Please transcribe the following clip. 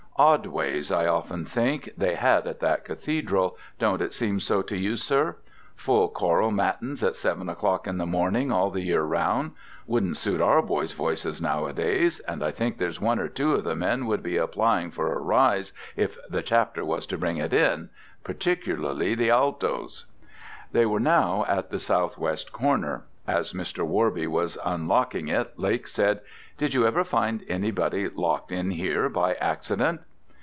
Odd ways, I often think, they had at that Cathedral, don't it seem so to you, sir? Full choral matins at seven o'clock in the morning all the year round. Wouldn't suit our boys' voices nowadays, and I think there's one or two of the men would be applying for a rise if the Chapter was to bring it in particular the alltoes." They were now at the south west door. As Mr. Worby was unlocking it, Lake said, "Did you ever find anybody locked in here by accident?"